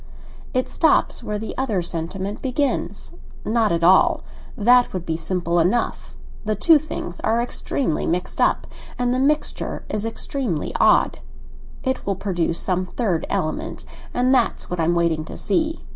"It stops where the other sentiment begins." "Not at all—that would be simple enough. The two things are extremely mixed up, and the mixture is extremely odd. It will produce some third element, and that's what I am waiting to see.